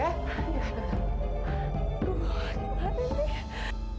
aduh gimana ini